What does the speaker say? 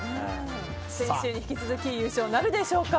先週に引き続き優勝なるでしょうか。